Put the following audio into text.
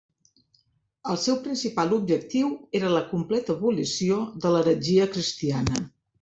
El seu principal objectiu era la completa abolició de l'heretgia cristiana.